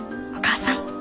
お母さん。